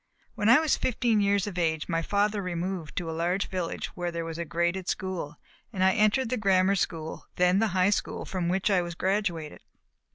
When I was fifteen years of age my father removed to a large village where there was a graded school, and I entered the grammar school, then the high school from which I was graduated.